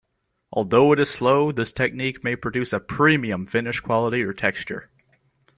Although it is slow, this technique may produce a premium finish quality or texture.